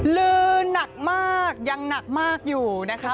ลือหนักมากยังหนักมากอยู่นะคะ